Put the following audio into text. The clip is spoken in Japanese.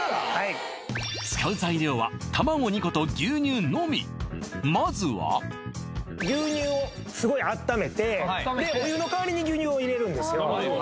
使う材料は卵２個と牛乳のみまずは牛乳をすごい温めてお湯の代わりに牛乳を入れるんですよ